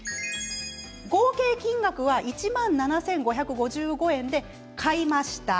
合計金額は１万７５５５円で買いました。